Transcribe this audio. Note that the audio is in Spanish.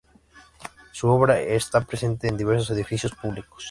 Su obra está presente en diversos edificios públicos.